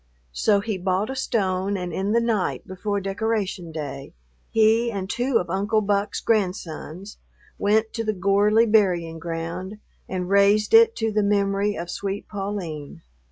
So he bought a stone, and in the night before Decoration Day he and two of Uncle Buck's grandsons went to the Gorley burying ground and raised it to the memory of sweet Pauline.